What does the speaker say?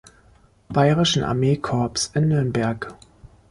Bayerischen Armee-Korps in Nürnberg.